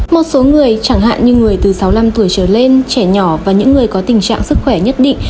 một số người chẳng hạn như người từ sáu mươi năm tuổi trở lên trẻ nhỏ và những người có tình trạng sức khỏe nhất định